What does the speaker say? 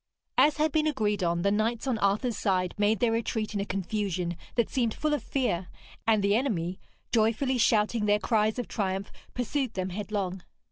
As had been agreed on, the knights on Arthur's side made their retreat in a confusion that seemed full of fear; and the enemy, joyfully shouting their cries of triumph, pursued them headlong.